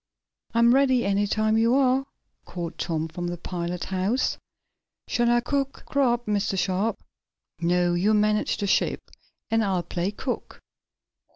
"I'm ready, any time you are," called Tom, from the pilot house. "Shall I cook grub, Mr. Sharp?" "No, you manage the ship, and I'll play cook.